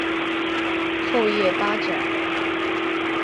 厚叶八角